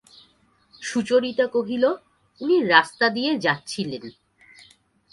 সুচরিতা কহিল, উনি রাস্তা দিয়ে যাচ্ছিলেন।